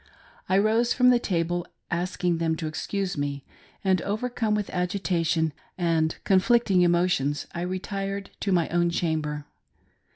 I rose from the table, asking them to excuse me ; and overcome with agitation and conflicting emotions, I retired to my own chamber.